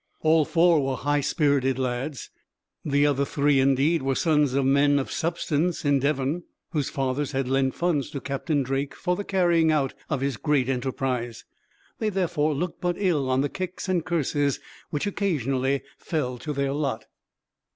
All four were high spirited lads. The other three, indeed, were sons of men of substance in Devon, whose fathers had lent funds to Captain Drake for the carrying out of his great enterprise. They therefore looked but ill on the kicks and curses which, occasionally, fell to their lot.